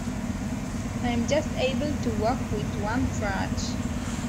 I am just able to walk with one crutch.